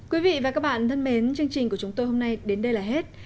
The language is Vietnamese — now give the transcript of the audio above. quý vị và các bạn thân mến chương trình của chúng tôi hôm nay đến đây là hết